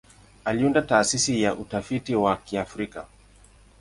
Aliunda Taasisi ya Utafiti wa Kiafrika.